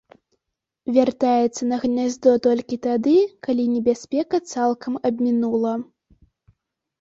Вяртаецца на гняздо толькі тады, калі небяспека цалкам абмінула.